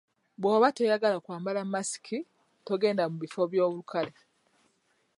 Bwoba toyagala kwambala masiki togenda mu bifo by'olukale.